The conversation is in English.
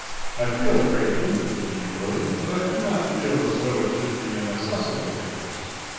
I feel a great interest in you, Willie, but I do not feel as though it should be an assessable interest.